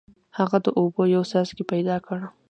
هغه د اوبو یو څاڅکی پیدا کړ.